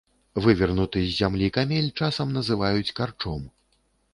Вывернуты з зямлі камель часам называюць карчом.